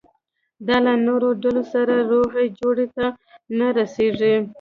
دا له نورو ډلو سره روغې جوړې ته نه رسېږي.